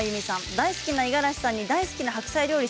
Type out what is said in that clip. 大好きな五十嵐さんに大好きな白菜料理。